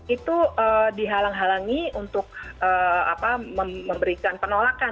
itu dihalang halangi untuk memberikan penolakan